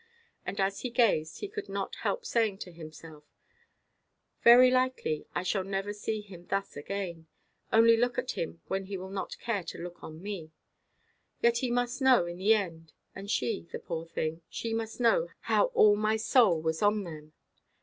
And as he gazed, he could not help saying to himself, "Very likely I shall never see him thus again—only look at him when he will not care to look on me. Yet he must know, in the end, and she, the poor thing, she must know how all my soul was on them.